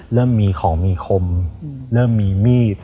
เริ่มมีของมีคมเริ่มมีมีด